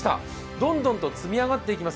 どんどんと積み上がっていきます。